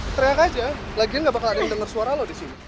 teriak aja lagian gak bakal ada yang denger suara lo disini